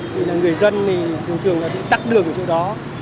thì là người dân thì thường thường là bị tắt đường ở chỗ đó